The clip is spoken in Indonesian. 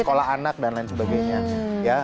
sekolah anak dan lain sebagainya ya